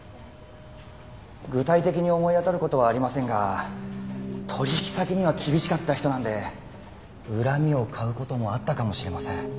具体的に思い当たる事はありませんが取引先には厳しかった人なので恨みを買う事もあったかもしれません。